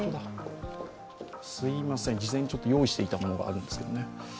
すみません、事前に用意していたものがあるんですが。